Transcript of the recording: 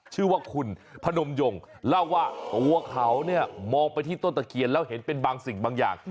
ชื่อว่าคุณพนมยงเล่าว่าตัวเขาเนี่ยมองไปที่ต้นตะเคียนแล้วเห็นเป็นบางสิ่งบางอย่าง